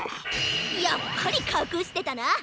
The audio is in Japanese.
やっぱりかくしてたな！